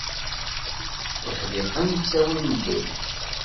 Uḥdiqen ttawin ddel.